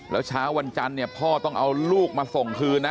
แล้วเช้าวันจันทร์เนี่ยพ่อต้องเอาลูกมาส่งคืนนะ